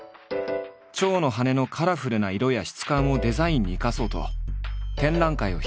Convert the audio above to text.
蝶の羽のカラフルな色や質感をデザインに生かそうと展覧会を開いた。